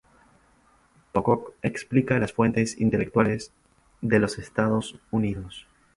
Pocock explica las fuentes intelectuales de los Estados Unidos.